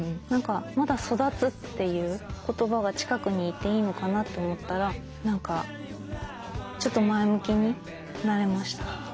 何かまだ「育つ」という言葉が近くにいていいのかなと思ったら何かちょっと前向きになれました。